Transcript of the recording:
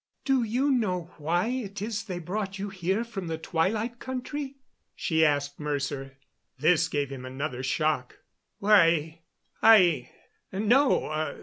"Do you know why it is they brought you here from the Twilight Country?" she asked Mercer. This gave him another shock. "Why, I no.